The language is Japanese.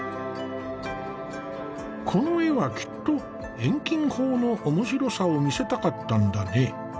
この絵はきっと遠近法の面白さを見せたかったんだね。